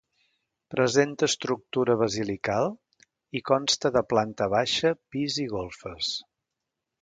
Presenta estructura basilical, i consta de planta baixa, pis i golfes.